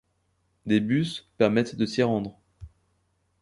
Des bus permettent de s'y rendre.